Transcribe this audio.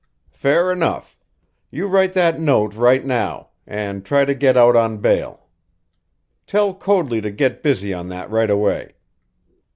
"Fair enough! You write that note right now, and try to get out on bail. Tell Coadley to get busy on that right away.